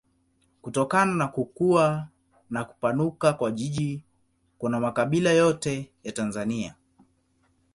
Kutokana na kukua na kupanuka kwa jiji kuna makabila yote ya Tanzania.